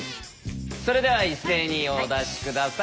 それでは一斉にお出し下さい。